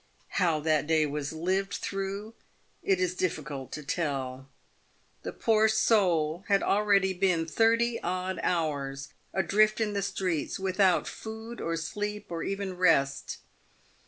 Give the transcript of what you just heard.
How that day was lived, through it is difficult to tell. The poor soul had already been thirty odd hours adrift in the streets without 30 PAVED WITH GOLD. food or sleep, or even "rest.